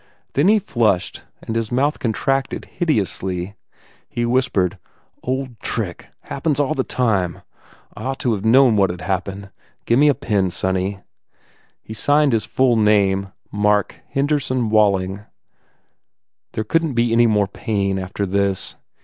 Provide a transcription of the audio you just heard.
Then he flushed and his mouth contracted hideously. He whis pered, "Old trick! Happens all the time. I 270 THE IDOLATER ought to have known what d happen. ... Gimme a pen, sonny." He signed his full name, Mark Henderson Walling. There couldn t be any more pain, after this.